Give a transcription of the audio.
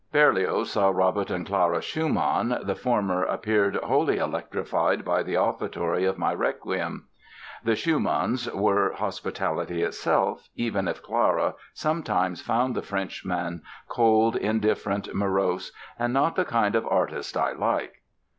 Berlioz saw Robert and Clara Schumann, the former appeared "wholly electrified by the Offertory of my Requiem". The Schumanns were hospitality itself, even if Clara sometimes found the Frenchman "cold, indifferent, morose" and "not the kind of artist I like".